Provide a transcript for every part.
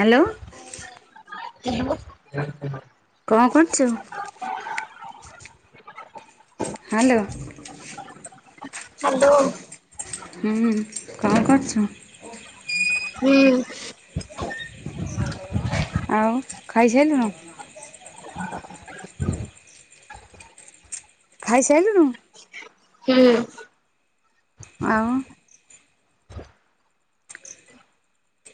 Hello [unintelligible] କଣ କରୁଛୁ? Hello hello ହୁଁ କଣ କରୁଛ? ହୁଁ ଆଉ ଖାଇସାରିଲୁନୁ? ଖାଇସାରିଲୁନୁ? ହୁଁ ଆଉ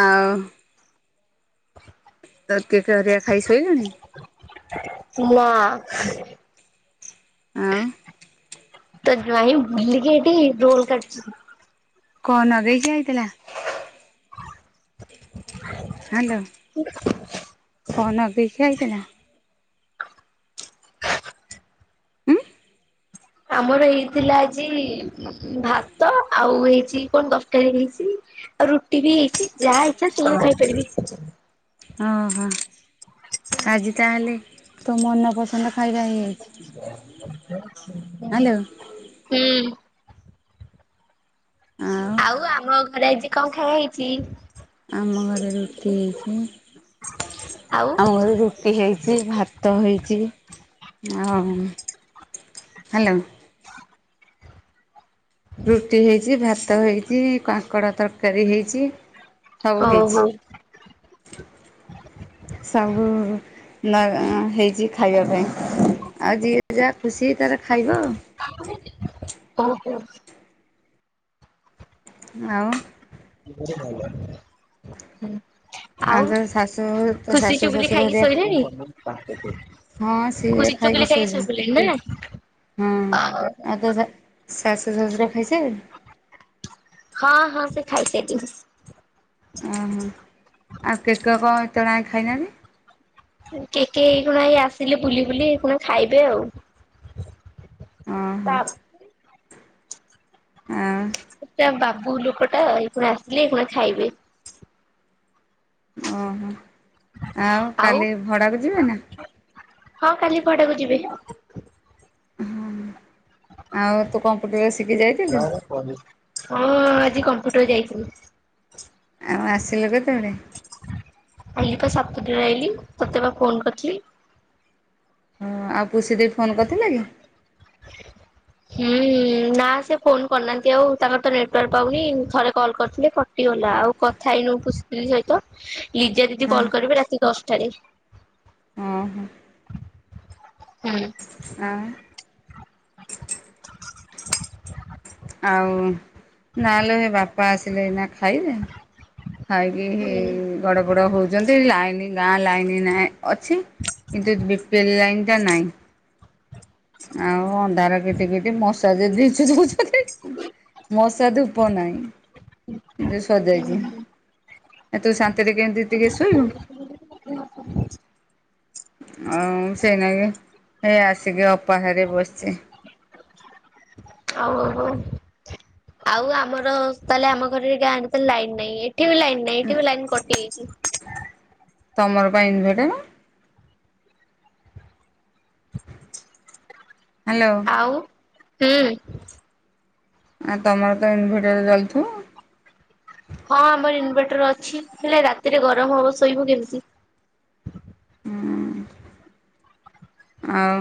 ଆଉ [unintelligible] ଖାଇ ଶୋଇଲାଣି? ମା ଆଉ ତ ଯାଇଁ ବୁଲିକି ଏଠି ରୋଲ କାଟୁଚି। କଣ ଲଗେଇକି ଆଇଥିଲା? ହ୍ୟାଲୋ। ହୁଁ। କଣ ନଗେଇକି ଆଇଥିଲା? ଉଁ ଆମର ଏଇ ଥିଲା ଆଜି ଭାତ ଆଉ ହେଇଛି କଣ ତରକାରୀ ହେଇଛି। ଆଉ ରୁଟି ବି ହେଇଛି ଯାହା ଇଛା ସେ ଖାଇପାରିବେ। ଓହୋ ଆଜି ତାହେଲେ ତୋ ମନପସନ୍ଦ ଖାଇବା ହେଇ ହ୍ୟାଲୋ ହୁଁ। ଆଉ ଆମ ଘରେ ଆଜି କଣ ଖାଇବା ହେଇଛି? ଆମ ଘରେ ରୁଟି ହେଇଛି। ଆଉ ଆମ ଘରେ ରୁଟି ହେଇଛି। ସେ ଭାତ ହୋଇଛି। ଆଉ ହ୍ୟାଲୋ। ରୁଟି ହେଇଛି ଭାତ ହେଇଛି କାଙ୍କଡ଼ ତରକାରୀ ହେଇଛି। ସବୁ ଓହୋ ହେଇଚି। ସବୁ ନ ହେଇଛି ଖାଇବା ପାଇଁ। ଆଉ ଯିଏ ଯାହା ଖୁସି ତାର ଖାଇବ। ଓହୋ। ଆଉ। ହ ଆଉ ତୋ ଶାଶୁ ତୋ ଖୁସି ଶାଶୁ ଚୁଗୁଲି ଶ୍ୱଶୁର ଖାଇକି ହେରିକା ଶୋଇଲେଣି? ହଁ ସିଏ ଖୁସି ଚୁଗୁଲି ଖାଇକି ଶୋଇ ଶୋଇଲେଣି ପଡ଼ିଲେ ନା? ହଁ ଆଉ ତୋ ଶା ଶାଶୁ ଶଶୁର ଖାଇସାରି ହଁ ହଁ ସେ ଖାଇସାରିଛନ୍ତି। ଓହୋ ଆଉ କେକ କଣ ଏତେବେଳ ଆଙ୍କେ ଖାଇନାହାନ୍ତି। କେକେ ଏଇ କଣ ଏଇ ଆସିଲେ ବୁଲି ବୁଲି କଣ ଖାଇବେ ଆଉ। ଓହୋ ତା ହ। ସେଟା ବାବୁ ଲୋକଟା ଏଇଖୁଣା ଆସିଲେ ଏଇଖୁଣା ଖାଇବେ ଓହୋ ଆଉ କାଲି ଭଡ଼ାକୁ ଯିବେ ନା? ହଁ କାଲି ଭଡାକୁ ଯିବେ। ହଁ ଆଉ ତୁ କମ୍ପୁଟର ଶିଖି ଯାଇ ହଁ ଆଜି କମ୍ପ୍ୟୁଟର ଯାଇଥିଲି। ଆଉ ଆସିଲୁ କେତେବେଳେ? ଆଇଲି ପା ସାତୁଟାରେ ଆଇଲି ତତେ ବା ଫୋନ କରିଥିଲି। ହଁ ଆଉ ପୁସି ଦେଇ ଫୋନ କରିଥିଲେ କି? ହୁଁ ନା ସେ ଫୋନ କରିନାହାନ୍ତି ଆଉ ତାଙ୍କର ତ ନେଟୱାର୍କ ପାଉନି ଥରେ କଲ୍ କରିଥିଲେ କ ଟି ଗଲା ଆଉ କଥା ହେଇନୁ ପୁସିଦିଦି ସହିତ ଲିଜା ଦିଦି ହଁ କଲ କରିବେ ରାତି ଦଶଟାରେ। ଆଁ ହଁ। ହୁଁ। ଆଁ। ଆଉ ନାଲୋ ହେଇ ବାପା ଆସିଲେ ଏଇନା ଖାଇବେ। ଖାଇକି ହୁଁ ଗଡ ପଡ ହୋଉଛନ୍ତି ଲାଇନ ଗାଁ ଲାଇନ ନାହିଁ। ଅଛି କିନ୍ତୁ ବି ପି ଏଲ ଲାଇନ୍ଟା ନାହିଁ। ଆଉ ଅନ୍ଧାର କିଟିକିଟି ମଶା ଯେ ଧିଶି ଦେଉଛନ୍ତି। ମଶା ଧୂପ ନାହିଁ ଯୋଉ ସରିଯାଇଚି। ହୁଁ ଆ ତୁ ଶାନ୍ତିରେ କେମିତି ଟିକେ ଶୋଇବୁ। ଆଉ ସେଇନାକି ହେଇ ଆସିକି ଅପା ଘରେ ବସିଛି। ଆଉ ଆଉ ହଉ। ଆଉ ଆମର ତାହେଲେ ଆମ ଘରେ ଗାଁ ରେ ଲାଇନ ନାହିଁ ଏଠି ବି ଲାଇନ୍ ନାହିଁ ଏଠି ବି ଲାଇନ କଟିଯାଇଛି। ତମର ପା ଇନଭଟର? ହ୍ୟାଲୋ। ଆଉ ହୁଁ। ଆ ତମର ତ ଇନଭର୍ଟର ରେ ଚାଲୁଥିବ। ହଁ ଆମର ଇନଭର୍ଟର ଅଛି ହେଲେ ରାତିରେ ଗରମ ହବ ଶୋଇବୁ କେମିତି? ହୁଁ। ଆଉ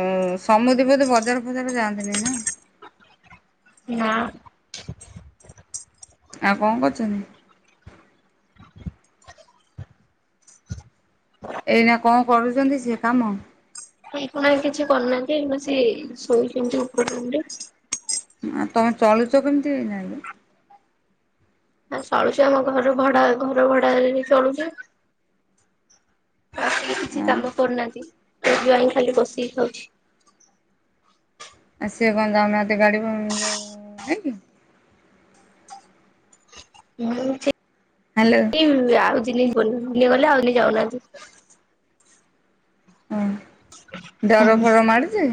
ଏ ସମୁଦି ବୋଧେ ବଜାର ଫଜାର ଯାଆନ୍ତିନି ନା? ନା। ଆଉ କଣ କରୁଛନ୍ତି? ହଁ ଏଇନା କଣ କରୁଛନ୍ତି ସେ କାମ? ସେ କଣ କିଛି କରିୁନାହାନ୍ତି ଏଇନୁ ଆସି ଶୋଇଛନ୍ତି ଉପର ରୁମରେ। ଆ ତମେ ଚଳୁଚ କେମିତି ଏଇନାରେ? ହ ଚଳୁଚୁ ଆମ ଘର ଭଡା ଘର ଭଡା ରେ ବି ଚଳୁଛୁ। ଆଉ ତ କିଛି ଆଁ କାମ କରୁନାହାନ୍ତି ତୋ ଜ୍ୱାଇଁ ଖାଲି ବସିକି ଖାଉଚି। ଆଉ ସିଏ କଣ ଯାଉନାହାନ୍ତି ଗାଡ଼ି [unintelligible] ଯୋଉ ନେଇକି? [unintelligible] ହ୍ୟାଲୋ। ଆଉ [unintelligible] ଗଲେ ଆଉ ଯାଉନାହାନ୍ତି? ହଁ ଡର ଫର ମାଡୁଛି?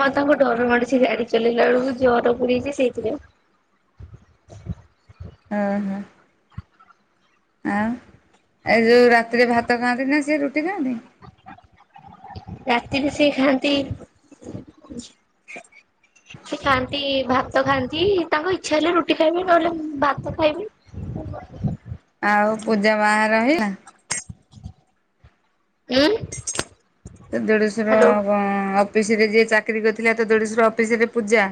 ହଁ ତାଙ୍କୁ ଡର ମାଡୁଛି ସେ ଗାଡି ଚଲେଇଲା ବେଳକୁ ଜର ପୁଡେଇଛି ସେଇଥି ପାଇଁ। ଅ ହଁ। ଆଉ ଏ ଯୋଉ ରାତିରେ ଭାତ ଖାଆନ୍ତି ନା ସିଏ ରୁଟି ଖାଆନ୍ତି? ରାତିରେ ସେ ଖାଆନ୍ତି ସେ ଖାଆନ୍ତି ଭାତ ଖାଆନ୍ତି ତାଙ୍କ ଇଚ୍ଛା ହେଲେ ରୁଟି ଖାଇବେ ନହେଲେ ଭାତ ଖାଇବେ? ଆଉ ପୂଜା ବା ରହିଲା? [unintelligible] ସେ ଦେଢଶୁର ହ୍ୟାଲୋ ବା [unintelligible] ଅଫିସ ରେ ଯିଏ ଚାକିରି କରିଥିଲେ ତ ଦେଢଶୁର ଅଫିସରେ ପୂଜା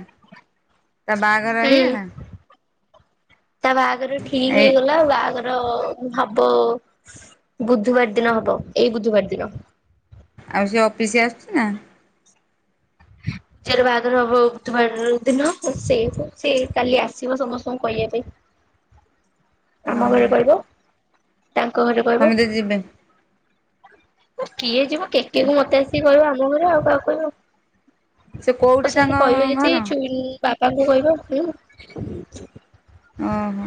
ତା ବାହା ହୁଁ ତା ବାହାଘର ଠିକ ଏ ହେଇଗଲା ବାହାଘର ର ହବ ବୁଧବାର ଦିନ ହବ ଏଇ ବୁଧବାର ଦିନ। ଆଉ ସେ ଅଫିସ ଆସୁଛି ନା? ହୁଁ ତାର ବାହାଘର ହେବ ବୁଧବାର ଦିନ ସେ ସେ କାଲି ଆସିବ ସମସ୍ତଙ୍କୁ କହିବା ପାଇଁ। ଆମ ଘରେ ଓହୋ କହିବ ତାଙ୍କ ଘରେ କହିବ? ସମସ୍ତେ ଯିବେ କିଏ ଯିବ କେ କେ କୁ ମତେ ଆସିକି କହିବ ଆମ ଘରେ ଆଉ କାହାକୁ ସେ କହିବ? କୋଉଠି ତ ତାଙ୍କ ସେଇଠି କହିବ ଯଦି ଘର ଚୁଡ଼ି ବାପାଙ୍କୁ କହିବ ହୁଁ। ଅହ।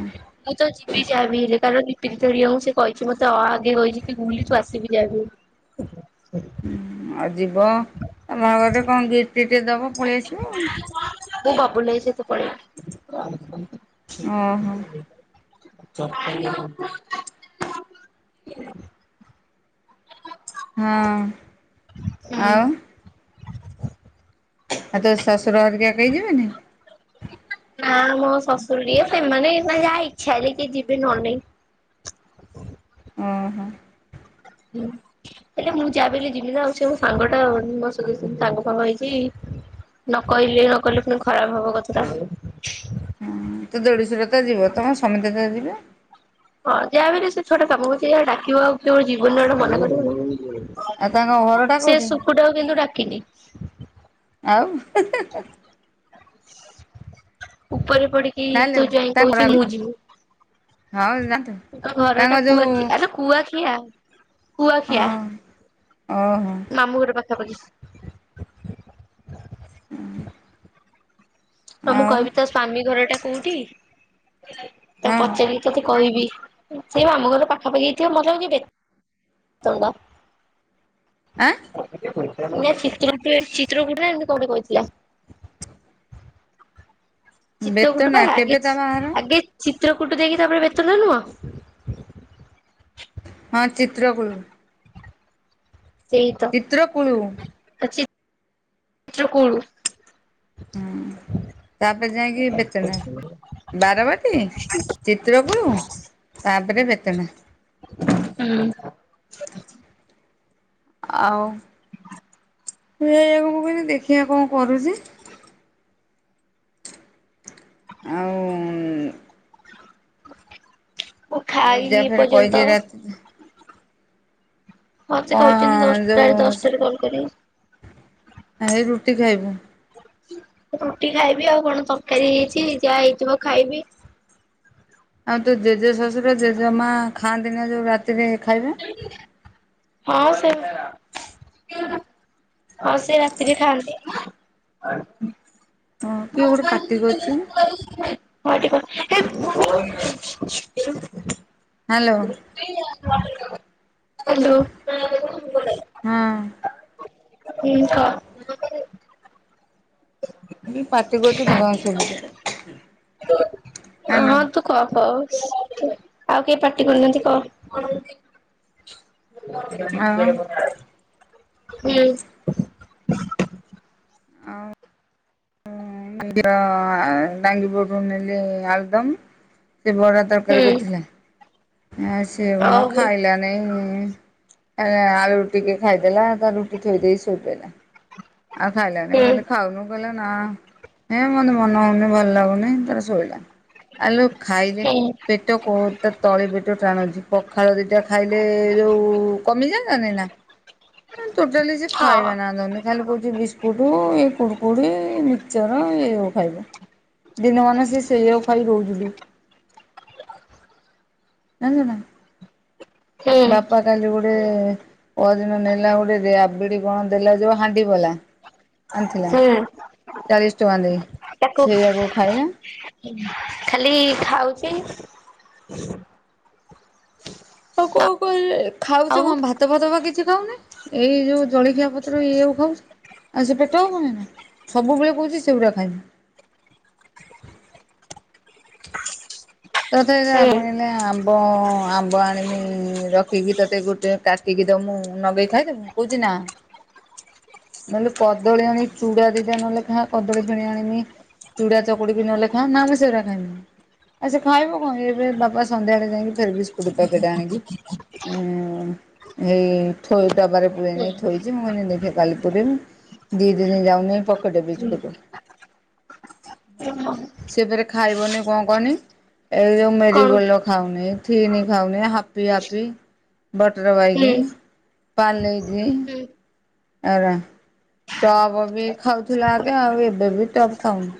ମୁଁ ତ ଯିବି ଯାହା ବି ହେଲେ କାରଣ ଲିପି ଦିଧରିଆକୁ ସେ କହିଛି ମତେ ଆ ଆଗେ କହିଚି କି ବୁଲି ତୁ ଆସିବୁ ଯାହା ବି ହଉ। [inaudible] ହୁଁ ଆଉ ଯିବ ତ ବାହାଘରରେ କଣ ଗିଫ୍ଟ ଫିଫ୍ଟ ଦବ ପଳେଇ ଆସିବ ଆଉ। [unintelligible] ମୁଁ ବବୁଲ୍ ଭାଇ ସହିତ ଓହୋ ପଲେଇବି। [inaudible] ହଁ। ହୁଁ। ଆଉ ଆଉ ତୋ ଶଶୁର ହେରିକା କେଇ ଯିବେନି। ନା ମୋ ଶ୍ୱଶୁର ରିଅ ସେମାନେ ନା ଯାହା ଇଚ୍ଛା ହେଲେ କିଏ ଯିବେ ନହେଲେ ନାଇଁ। [inaudible] ଓହୋ। ହୁଁ। ହେଲେ ମୁଁ ଯାବି ହେଲେ ଯିବି ନା ଆଉ ସେ ମୋ ସାଙ୍ଗ ଟା ମୋ [inaudible] ସାଙ୍ଗ ଫାଙ୍ଗ ହେଇଛି। ନ କହିଲେ ନ କହିଲେ ପୁଣି ଖରାପ ହବ କଥାଟା। ତୋ ଦେଡିଶ୍ୱର ତ ଯିବ ତମ ସମତେ ତ ଯିବେ। ହଁ ଯାହା ବି ହେଲେ ସେ ଛୁଆଟା ତମୁକୁ ସିଏ ଡାକିବ ଆଉ ତୁମେ ଯିବ ନି ଗୋଟେ ମନେ କରିବ ଆଉ ତାଙ୍କ ଘରଟା [inaudible] ସେ କୋଉଠି ସୁଖୁଟାକୁ କିନ୍ତୁ ଡାକିନି। ଆଉ। ଉପରେ ପଡିି କି ତୋ ନାଲୋ ଯୋଇଁ ତାଙ୍କ ଘର କହୁଚି ମୁଁ ଯିମି ହଁ ଜାଣିଛୁ [inaudible] ତ ଘର ତାଙ୍କ ଟା ଯୋଉ କୁଆକିଆରେ କୁଆଖିଆ ହଁ କୁଆଖିଆ ଓହୋ ମାମୁଁ ଘର ପାଖାପାଖି। ହୁଁ। ତ ମୁଁ କହିବି ତା ସ୍ଵାମୀ ଘର ଟା କୋଉଠି [inaudible] ତାକୁ ହଁ ପଚାରି କି ତତେ କହିବି ସେଇ ମାମୁଁ ଘର ପାଖାପଖି ହେଇଥିବ ମତେ ଲାଗୁଛି [inaudible] ଆଁ। [unintelligible] ଚିତ୍ରକୂଟ ନା ଏମିତି କୋଉଠି କହିଥିଲା। ଚିତ୍ର କୁଟ ବା ବେତନା ଆଗ କେବେ ତା ଚି ବାହାଘର? ଆଗେ ଚିତ୍ର କୁଟୁ ଦେଇକି ତାପରେ ବେତଡା ନୁହଁ। ହଁ ଚିତ୍ରକୁଳୁ। ସେଇତ ଚିତ୍ରକୂଳୁ ଆ ଚି ଚିତ୍ରକୁଳୁ। ହୁଁ ତାପରେ ଯାଇକି ବେତନା। ବାରବାତୀ ଚିତ୍ରକୂଳୁ ତାପରେ ବେତନା। ହୁଁ! [inaudible] ଆଉ ହୁ ଏଇଆକୁ ମୁଁ କଇଲି ଦେଖିବା କଣ କରୁଚି? ଆଉ ମୁଁ ଲିଜା ଖାଇନି ଏ ଫେରେ କହିଛି ପଯନ୍ତ। ରାତି ହଁ ସେ କଣ କହିଛନ୍ତି ଦଶଟାରେ ଦଶଟାରେ କଲ୍ କରିବି। ଆ ଏ ରୁଟି ଖାଇବୁ। ରୁଟି ଖାଇବି ଆଉ କଣ ତରକାରୀ ହେଇଛି ଯାହା ହେଇଥିବ ଖାଇବି। ଆଉ ତୁ ଜେଜେ ଶ୍ୱଶୁର ଜେଜେମା ଖାଆନ୍ତି ନା ଯୋଉ ରାତିରେ ଖାଇବେ। ହଁ ସେ ହଁ ସେ ରାତିରେ ଖାଆନ୍ତି। ହଁ କିଏ ଗୋଟେ ପାଟି କରୁଛି [inaudible] [unintelligible] ହ୍ୟାଲୋ! ହ୍ୟାଲୋ! ହଁ! ହୁଁ କହ। ମୁଁ କହିଲି ପାଟି କରୁଚି ଘଁ ଘଁ ଶୁଭୁନି ହାଲୋ। କ କ ଆଉ କେଇ ପାଟି କରୁନାହାନ୍ତି କହ। ଆଉ ହୁଁ। ଆଉ [unintelligible] ଟାଙ୍ଗି ପଟୁ ନେଲେ ଆଳଦମ୍ ସେ ବରା ତରକାରୀ ହୁଁ କରି ଥିଲା ଆ ସିଏ କଣ ଓହୋ ଖାଇଲା ନାଇଁ ଏରା ଆଳୁ ଟିକେ ଖାଇଦେଲା ତା ରୁଟି ଥୋଇ ଦେଇ ଶୋଇପଡ଼ିଲା ଆଉ ଖାଇଲା ନାଇଁ ମୁଁ ହୁଁ କହିଲି ଖାଉନୁ କହିଲା ନା। ହେ ମତେ ମନ ହଉନି ଭଲ ଲାଗୁନି ତାରା ଶୋଇଲା ଆଲୋ ଖାଇଦେ ହୁଁ ପେ ପେଟ କଁ ହୋଉଚି ତାର ତଳି ପେଟ ଟାଣୁଚି ପଖାଳ ଦିଟା ଖାଇଲେ ଯୋଉ କମିଯାନ୍ତାନି ନା। ଆଁ ଟୋଟାଲି ସେ ଖାଇବା ନା ହଁ। ଧରୁନି। ଖାଲି କହୁଚି ବିସ୍କୁଟ ଏ କୁଡ଼କୁଡ଼ି ମିକ୍ସଚର ଏଇଆ କୁ ଖାଇବ। ଦିନମାନ ସେ ସେଇଆକୁ ଖାଇ ରହୁଚି ଲୋ। ଜାଣିଚୁନା ହୁଁ ବାପା କାଲି ଗୋଟେ ପଦିନ ନେଲା ଗୋଟେ ରାବିଡି କଣ ଦେଲା ଯୋଉ ହାଣ୍ଡି ବଲା ଆଣିଥିଲା ହୁଁ ଚାଳିଶ ଟଙ୍କା ଦେଇ ତାକୁ ସେଇଆକୁ ଖାଇଲା। ଖାଲି ଖାଉଚି ଆଉ କନ କରି ଖାଉଚି ଆଉ କଣ ଭାତ ଭାତ ଫାତ ବା କିଛି ଖାଉନି ଏଇ ଯୋଉ ଜଳଖିଆ ପତ୍ର ଏଇଆ କୁ ଖାଉଚି। ଆଉ ସେ ପେଟ ହବନିନା ସବୁବେଳେ କହୁଚି ସେଗୁଡ଼ା ଖାଇବି। ତଥାବି ବାପା ହୁଁ କହିଲେ ଆମ୍ବ ଆମ୍ବ ଆଣିବି ରଖିକି ତତେ ଗୋଟୋ କା ଟିକି ଦମୁଁ ନଗେଇ ଖାଇଦବୁ କହୁଚି ନା ହ ନେହେଲେ କଦଳୀ ଆଣି ଚୁଡା ଦିଟା ନହେଲେ ଖା କଦଳୀ କିଣି ଆଣିବି ଚୁଡା ଚକୁଡି କି ନହଲେ ଖା ନା ମୁଁ ସେଗୁରା ଖାଇମିନି। ଆଉ ସେ ଖାଇବ କଣ ଏବେ ବାପା ସନ୍ଧ୍ୟାରେ ଯାଇଁକି ଫେର ବିସ୍କୁଟ୍ ପ୍ୟାକେଟ୍ ଆଣିକି ଇଁ ହେଇ ଥୋଇ ଡବାରେ ପୂରେଇନି ଥୋଇଚି ମୁଁ କହିନି ଦେଖେ କାଲି ପୁରେଇମି। ଦି ଦିନ ଯାଉନି ପକଟେ ବିସ୍କୁଟ [inaudible] ହୁଁ ସେ ଫେରେ ଖାଇବନି କଣ କହନି? ଏଯୋଉ କଣ ମେରିଗୋଲଡ ଖାଉନେଇ ଥିନି ଖାଉନେଇ ହାପି ହାପି ବଟର ହୁଁ ବାଇଗି ପାର୍ଲେଜି ହୁଁ ଏରା ଟପ୍ ବି ଖାଉଥିଲା ଆଗେ ଆଉ ଏବେ ବି ଟପ୍ ଖାଉନି।